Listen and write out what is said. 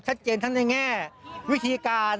ชัดเจนทั้งในแง่วิธีการ